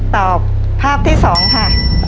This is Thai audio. ตอบภาพที่๒ค่ะ